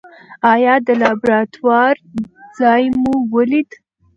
ایا د لابراتوار ځای مو ولید؟